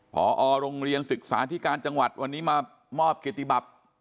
พอโรงเรียนศึกษาที่การจังหวัดวันนี้มามอบเกติบัติ